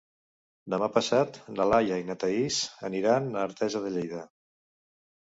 Demà passat na Laia i na Thaís aniran a Artesa de Lleida.